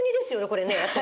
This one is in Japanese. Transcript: これね。